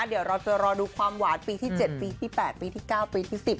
เดี๋ยวเราจะรอดูความหวานปีที่๗ปีที่๘ปีที่๙ปีที่๑๐